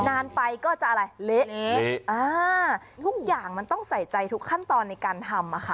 นานไปก็จะอะไรเละอ่าทุกอย่างมันต้องใส่ใจทุกขั้นตอนในการทำอะค่ะ